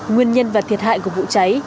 nguyên nhân và thiệt hại của vụ cháy